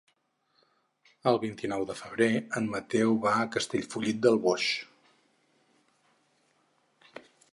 El vint-i-nou de febrer en Mateu va a Castellfollit del Boix.